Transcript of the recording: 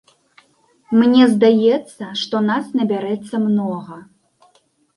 Мне здаецца, што нас набярэцца многа.